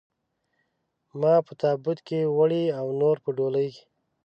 ما په تابوت کې وړي او نور په ډولۍ.